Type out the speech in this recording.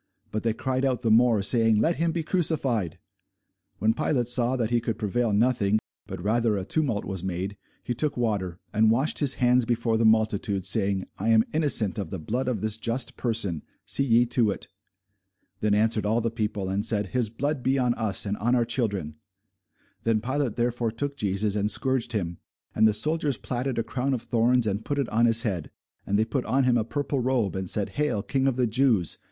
But they cried out the more, saying, Let him be crucified. When Pilate saw that he could prevail nothing, but that rather a tumult was made, he took water, and washed his hands before the multitude, saying, I am innocent of the blood of this just person: see ye to it. Then answered all the people, and said, His blood be on us, and on our children. Then Pilate therefore took Jesus, and scourged him. And the soldiers platted a crown of thorns, and put it on his head, and they put on him a purple robe, and said, Hail, King of the Jews!